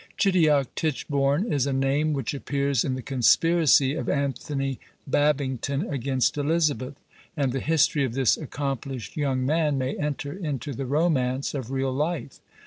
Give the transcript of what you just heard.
Chidiock Titchbourne is a name which appears in the conspiracy of Anthony Babington against Elizabeth, and the history of this accomplished young man may enter into the romance of real life.